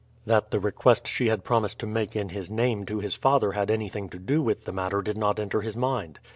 That the request she had promised to make in his name to his father had anything to do with the matter did not enter his mind.